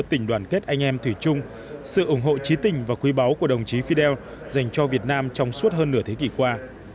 tình đoàn kết anh em thủy chung sự ủng hộ trí tình và quý báu của đồng chí fidel dành cho việt nam trong suốt hơn nửa thế kỷ qua